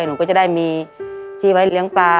หนูก็จะได้มีที่ไว้เลี้ยงปลา